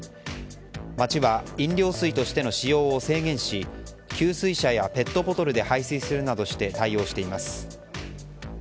町は飲料水としての使用を制限し給水車やペットボトルで配水するなどして対応しています。